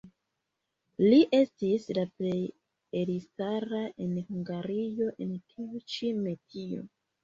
Li estis la plej elstara en Hungario en tiu ĉi metio.